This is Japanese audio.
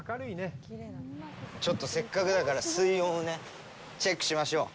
ちょっとせっかくだから水温をねチェックしましょう。